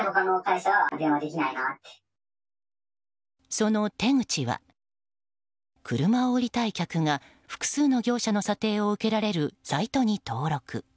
その手口は、車を売りたい客が複数の業者の査定を受けられるサイトに登録。